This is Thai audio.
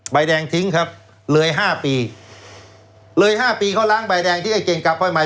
ใบแดงทิ้งครับเลยห้าปีเลยห้าปีเขาล้างใบแดงที่ไอ้เก่งกลับไปใหม่